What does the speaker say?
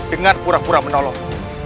dengan pura pura menolong